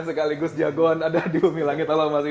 sekaligus jagoan ada di bumi langit